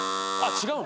違うの？